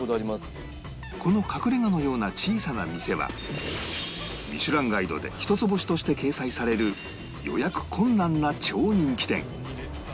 この隠れ家のような小さな店は『ミシュランガイド』で一つ星として掲載される予約困難な超人気店